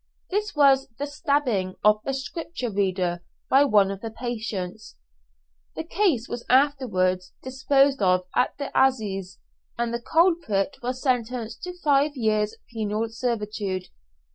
This was the stabbing of a Scripture reader by one of the patients. The case was afterwards disposed of at the Assizes, and the culprit was sentenced to five years' penal servitude.